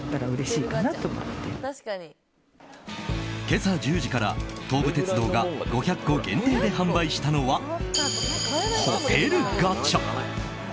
今朝１０時から東武鉄道が５００個限定で販売したのはホテルガチャ。